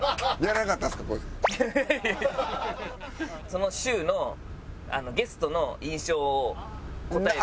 その週のゲストの印象を答える。